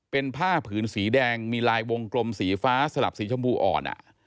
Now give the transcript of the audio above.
เป็นผ้าผืนสีแดงมีลายวงกลมสีฟ้าสลับสีชมพูอ่อน